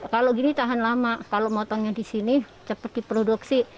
kalau gini tahan lama kalau motongnya di sini cepat diproduksi